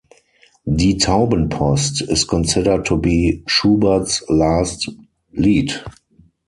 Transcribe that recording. "Die Taubenpost" is considered to be Schubert's last Lied.